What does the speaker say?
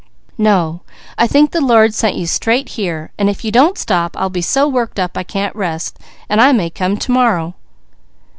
"No, I think the Lord sent you straight here. If you don't stop I'll be so worked up I can't rest. I may come to morrow."